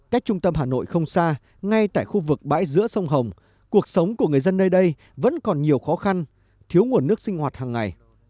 cách trung tâm hà nội không xa ngay tại khu vực bãi giữa sông hồng cuộc sống của người dân nơi đây vẫn còn nhiều khó khăn thiếu nguồn nước sinh hoạt hàng ngày